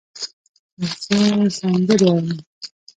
زه سندرې اورم